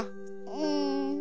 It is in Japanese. うん。